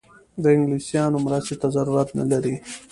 د انګلیسیانو مرستې ته ضرورت نه لري.